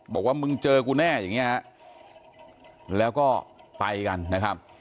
บอกว่ามึงเจอกูแน่อย่างนี้ฮะแล้วก็ไปกันนะครับ